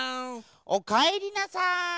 おかえりなさい。